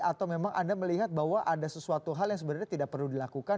atau memang anda melihat bahwa ada sesuatu hal yang sebenarnya tidak perlu dilakukan